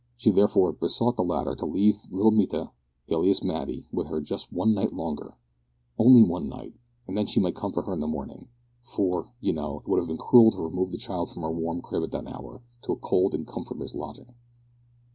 She therefore besought the latter to leave little Mita, alias Matty, with her just for one night longer only one night and then she might come for her in the morning, for, you know, it would have been cruel to remove the child from her warm crib at that hour to a cold and comfortless lodging.